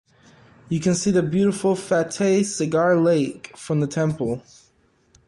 You can see the beautiful Fateh Sagar Lake from the temple.